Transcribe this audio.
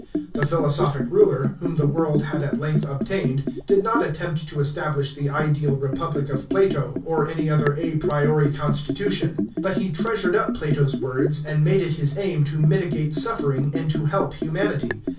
'I he philosophic ruler, whom the world had at length obtained, did not attempt to establish the ideal Republic of Plato, or any other a priori constitution ; but he treasured up Plato's words and made it his aim to mitigate suffering and to help humanity.